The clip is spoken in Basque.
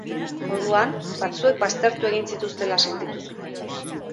Orduan, batzuek baztertu egin zituztela sentitu zuten.